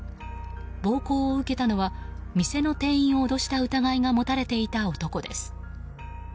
暴行を受けたのは店の店員を脅した疑いが持たれていた男です。